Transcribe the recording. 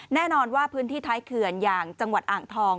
แน่นอนว่าพื้นที่ท้ายเขื่อนอย่างจังหวัดอ่างทอง